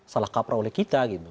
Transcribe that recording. salah kaprah oleh kita gitu